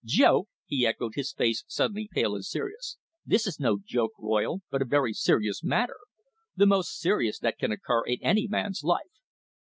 "Joke!" he echoed, his face suddenly pale and serious. "This is no joke, Royle, but a very serious matter. The most serious that can occur in any man's life."